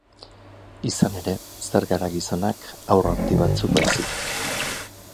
Izan ere, zer gara gizonak, haur handi batzuk baizik?